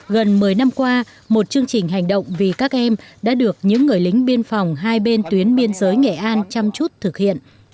gần một mươi năm qua một chương trình hành động vì các em đã được những người lính biên phòng hai bên tuyến biên giới nghệ an chăm chút thực hiện